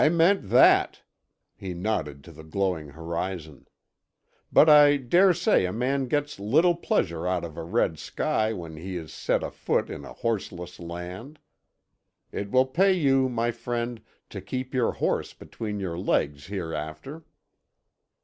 "I meant that," he nodded to the glowing horizon. "But I daresay a man gets little pleasure out of a red sky when he is set afoot in a horseless land. It will pay you, my friend, to keep your horse between your legs hereafter."